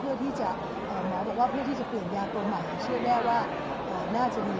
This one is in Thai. เพื่อที่จะเปลี่ยนยาตัวหมาเชื่อแม่ว่าน่าจะดี